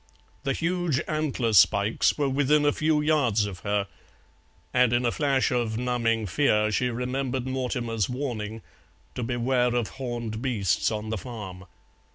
The huge antler spikes were within a few yards of her, and in a flash of numbing fear she remembered Mortimer's warning, to beware of horned beasts on the farm.